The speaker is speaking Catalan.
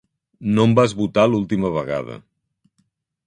No em vas votar l'última vegada.